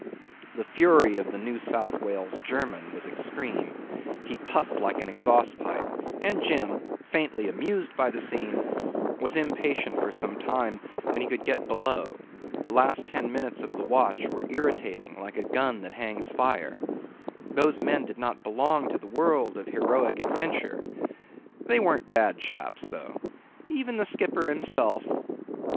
The fury of the New South Wales German was extreme; he puffed like an exhaust pipe, and Jim, faintly amused by the scene, was impatient for the time when he could get below: the last ten minutes of the watch were irritating like a gun that hangs fire; those men did not belong to the world of heroic adventure; they weren't bad chaps though. Even the skipper himself